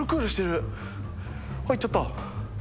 行っちゃった。